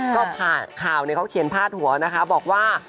ก็ข่าวเขาเขียนพาดหัวนะคะบอกว่า